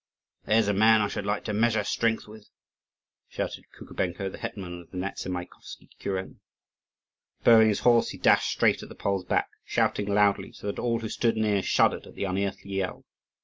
"There's a man I should like to measure strength with!" shouted Kukubenko, the hetman of the Nezamaikovsky kuren. Spurring his horse, he dashed straight at the Pole's back, shouting loudly, so that all who stood near shuddered at the unearthly yell.